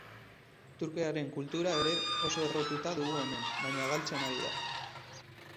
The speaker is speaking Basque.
Trukearen kultura ere oso errotuta dugu hemen, baina galtzen ari da.